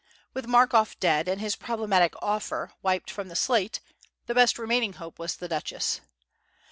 With Markoff dead, and his problematic "offer" wiped from the slate, the best remaining hope was the Duchess.